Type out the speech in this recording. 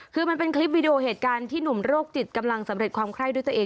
คือมันเป็นคลิปวิดีโอเหตุการณ์ที่หนุ่มโรคจิตกำลังสำเร็จความไข้ด้วยตัวเอง